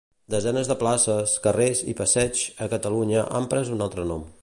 Desenes de places, carrers i passeigs a Catalunya han pres un altre nom.